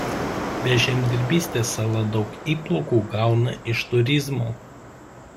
Be žemdirbystės sala daug įplaukų gauna iš turizmo.